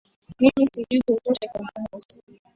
Mimi sijui chochote kumhusu